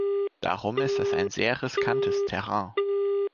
Darum ist das ein sehr riskantes Terrain.